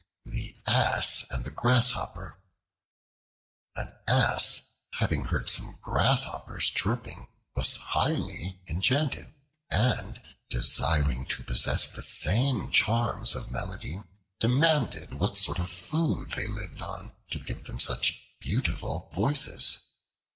The Ass And The Grasshopper AN ASS having heard some Grasshoppers chirping, was highly enchanted; and, desiring to possess the same charms of melody, demanded what sort of food they lived on to give them such beautiful voices.